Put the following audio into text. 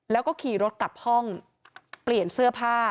แล้วก็ขี่รถกลับห้องเปลี่ยนเสื้อผ้า